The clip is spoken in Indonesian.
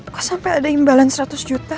kok sampai ada imbalan seratus juta